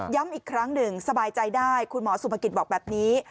อีกครั้งหนึ่งสบายใจได้คุณหมอสุภกิจบอกแบบนี้